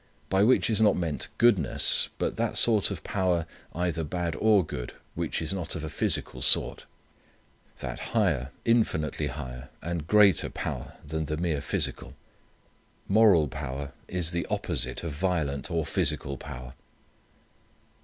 By which is not meant goodness, but that sort of power either bad or good which is not of a physical sort: that higher, infinitely higher and greater power than the mere physical. Moral power is the opposite of violent or physical power.